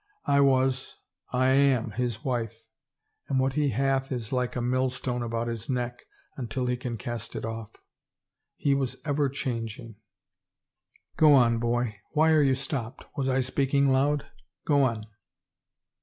I was — I am his wife. And what he hath is like a millstone about his neck till he can cast it off. He was ever changing. ... Go on, boy. Why are you stopped? Was I speaking aloud? Go on."